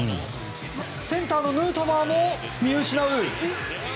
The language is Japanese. センターのヌートバーも見失う！